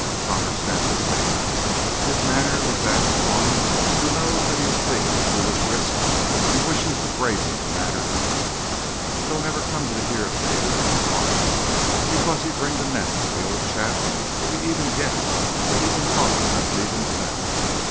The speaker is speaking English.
Connor snapped his finger. His manner was that of one who knows that he has taken a foolish risk and wishes to brazen the matter out. "It'll never come to the ear of David! Why? Because he'd wring the neck of the old chap if he even guessed that he'd been talking about leaving the valley.